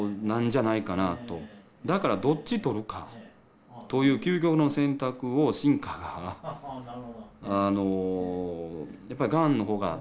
だからどっち取るかという究極の選択を進化がやっぱりがんの方が駄目だと。